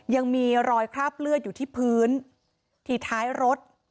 ยังมีรอยคราบเลือดอยู่ที่พื้นที่ท้ายรถ